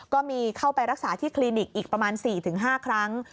ก็มีเข้าไปรักษาที่คลินิกอีกประมาณ๔๕ครั้ง